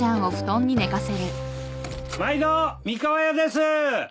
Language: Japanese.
・毎度三河屋です！